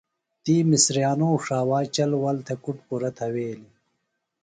تی مِسریانوم ݜاوا چل ول تھےۡ کُڈ پُرہ تِھویلیۡ۔